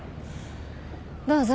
どうぞ。